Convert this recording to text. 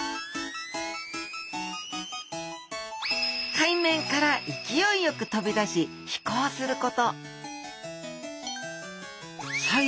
海面から勢いよく飛び出し飛行すること！